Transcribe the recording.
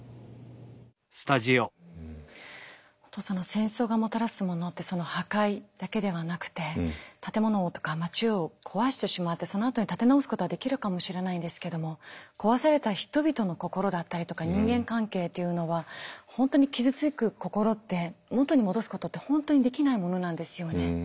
戦争がもたらすものって破壊だけではなくて建物とか街を壊してしまってそのあとに建て直すことはできるかもしれないんですけども壊された人々の心だったりとか人間関係というのは本当に傷つく心って元に戻すことって本当にできないものなんですよね。